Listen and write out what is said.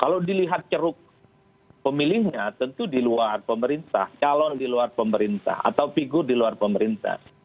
kalau dilihat ceruk pemilihnya tentu di luar pemerintah calon di luar pemerintah atau figur di luar pemerintah